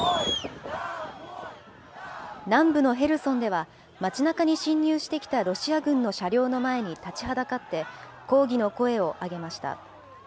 南部のヘルソンでは、街なかに進入してきたロシア軍の車両の前に立ちはだかって、抗議の声を上げました。